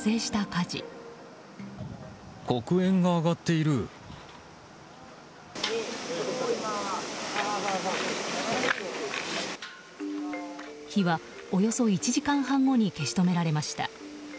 火はおよそ１時間半後に消し止められました。